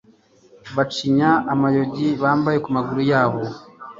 bacinya amayugi bambaye ku maguru yabo